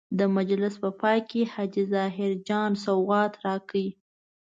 د مجلس په پای کې حاجي ظاهر جان سوغات راکړ.